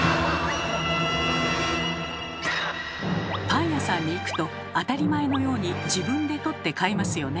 パン屋さんに行くと当たり前のように自分で取って買いますよね。